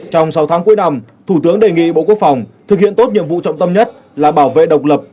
trong sáu tháng cuối năm thủ tướng đề nghị bộ quốc phòng thực hiện tốt nhiệm vụ trọng tâm nhất là bảo vệ độc lập